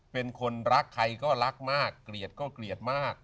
เป็นคนรักใครก็รักมากเกลียดก็เกลียดมาก